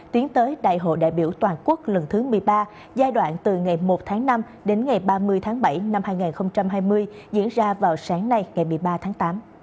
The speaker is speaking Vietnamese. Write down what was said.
tiến tới đại hội đại biểu toàn quốc lần thứ một mươi ba giai đoạn từ ngày một tháng năm đến ngày ba mươi tháng bảy năm hai nghìn hai mươi diễn ra vào sáng nay ngày một mươi ba tháng tám